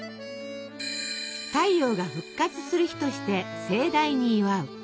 「太陽が復活する日」として盛大に祝う。